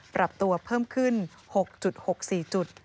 ปรับตัวเพิ่มขึ้น๖๖๔จุด